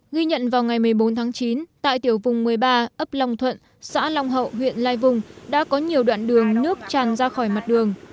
ghi nhận vào ngày một mươi bốn tháng chín tại tiểu vùng một mươi ba ấp long thuận xã long hậu huyện lai vùng đã có nhiều đoạn đường nước tràn ra khỏi mặt đường